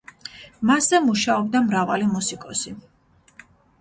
მასზე მუშაობდა მრავალი მუსიკოსი.